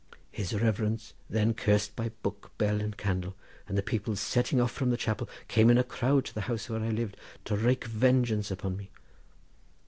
His reverence then cursed by book, bell, and candle, and the people, setting off from the chapel, came in a crowd to the house where I lived, to wrake vengeance upon me.